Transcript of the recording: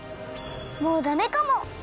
もうダメかも！